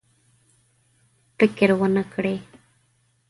فکر ونه کړي.